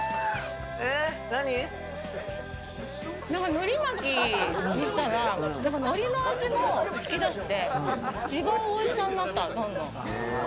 のり巻きにしたら、のりの味も引きだして違う味になった、どんどん。